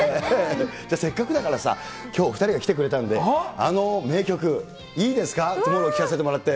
じゃあせっかくだからさ、きょう、お２人が来てくれたんで、あの名曲、いいですか、トゥモロー聴かせてもらって。